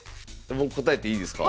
もう答えていいですか？